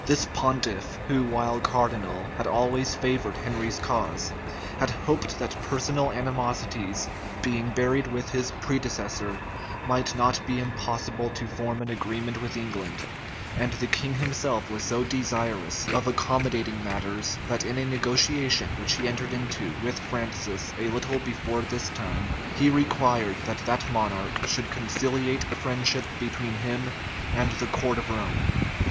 This pontiff, who while cardinal, had always favored Henry's cause, had hoped that personal animosities being buried with his predecessor, might not be impossible to form an agreement with England: and the king himself was so desirous of accommodating matters, that in a negotiation which he entered into with Francis a little before this time, he required that that monarch should conciliate a friendship between him and the court of Rome.